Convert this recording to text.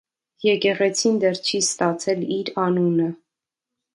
Եկեղեցին դեռ չի ստացել իր անունը։